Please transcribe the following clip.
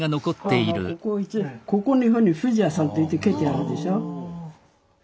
ここに富士屋さんって書いてあるでしょ。